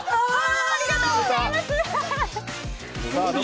ありがとうございます！